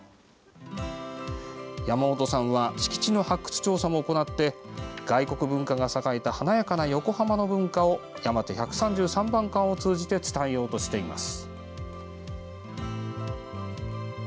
山本さんは敷地の発掘調査も行って外国文化が栄えた華やかな横浜の文化を山手１３３番館を通じて伝えようとしています。